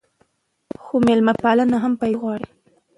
خو میلمه پالنه هم پیسې غواړي.